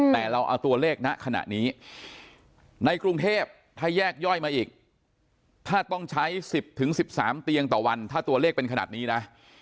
แต่เราเอาตัวเลขณขณะนี้ในกรุงเทพถ้าแยกย่อยมาอีกถ้าต้องใช้๑๐๑๓เตียงต่อวันถ้าตัวเลขเป็นขนาดนี้นะ